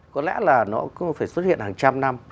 có lẽ là nó phải xuất hiện hàng trăm năm